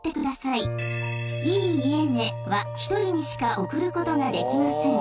「いい家ね」は１人にしか送る事ができません。